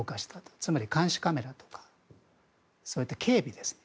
つまり監視カメラとかそういった警備ですね。